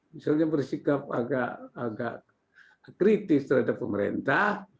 misalnya bersikap agak kritis terhadap pemerintah